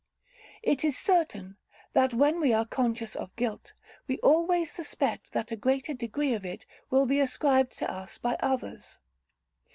It is certain, that when we are conscious of guilt, we always suspect that a greater degree of it will be ascribed to us by others.